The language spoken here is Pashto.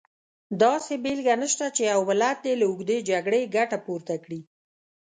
داسې بېلګه نشته چې یو ملت دې له اوږدې جګړې ګټه پورته کړي.